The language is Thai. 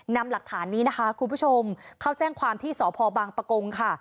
นำหลักฐานนี้นะคะคุณผู้ชมเข้าแจ้งความที่สพบางปะกงค่ะ